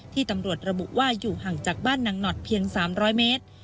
ตำรวจระบุว่าอยู่ห่างจากบ้านนางหนอดเพียง๓๐๐เมตร